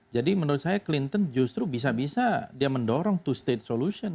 jadi menurut saya clinton justru bisa bisa dia mendorong two state solution